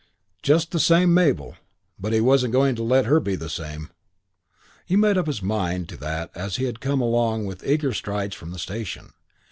Just the same Mabel! But he wasn't going to let her be the same! He had made up his mind to that as he had come along with eager strides from the station.